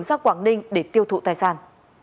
ra quảng ninh để tiêu thụ tài sản